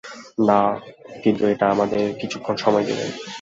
না, কিন্তু এটা আমাদের কিছুক্ষণ সময় দিবে।